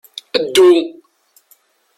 Ddu!